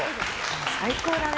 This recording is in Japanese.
最高だね。